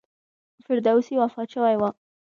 فردوسي وفات شوی و.